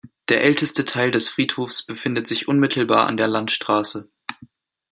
Der älteste Teil des Friedhofs befindet sich unmittelbar an der Landstrasse.